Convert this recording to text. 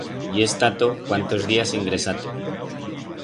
I he estato cuantos días ingresato.